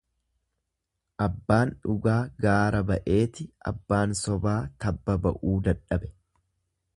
Abbaan dhugaa gaara ba'eeti abbaan sobaa tabba ba'uu dadhabe.